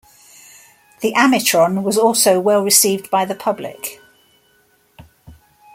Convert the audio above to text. The Amitron was also well received by the public.